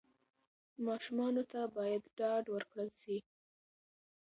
ماشومانو ته باید ډاډ ورکړل سي.